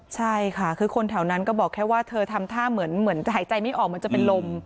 ใช่ค่ะคือคนแถวนั้นก็บอกแค่ว่าเธอทำท่าเหมือนจะหายใจไม่ออกเหมือนจะเป็นลม